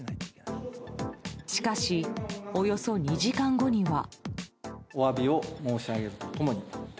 しかし、およそ２時間後には。